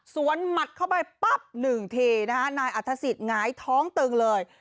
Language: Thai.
หมัดเข้าไปปั๊บหนึ่งทีนะคะนายอัฐศิษย์หงายท้องตึงเลย